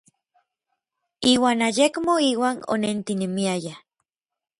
Iuan ayekmo iuan onentinemiayaj.